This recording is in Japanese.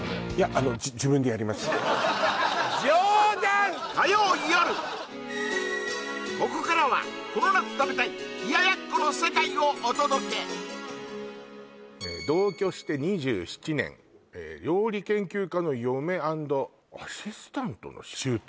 あのここからはこの夏食べたい冷奴の世界をお届け「同居して２７年」「料理研究家の嫁＆アシスタントの舅」